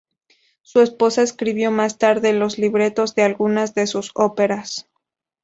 Su esposa escribió más tarde los libretos de algunas de sus óperas.